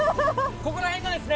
ここら辺がですね